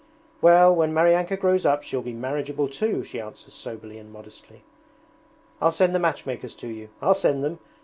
'Well, when Maryanka grows up she'll be marriageable too,' she answers soberly and modestly. 'I'll send the matchmakers to you I'll send them!